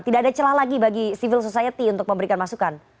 tidak ada celah lagi bagi civil society untuk memberikan masukan